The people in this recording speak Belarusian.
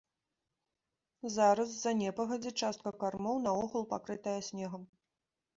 Зараз з-за непагадзі частка кармоў наогул пакрытая снегам.